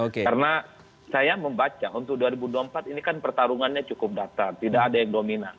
karena saya membaca untuk dua ribu dua puluh empat ini kan pertarungannya cukup datar tidak ada yang dominan